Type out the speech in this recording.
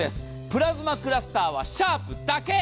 プラズマクラスターはシャープだけ。